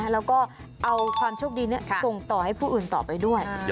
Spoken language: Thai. แล้วก็เอาความโชคดีนี้ส่งต่อให้ผู้อื่นต่อไปด้วย